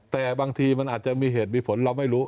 แต่บางทีมันอาจจะมีเหตุมีผลเราไม่รู้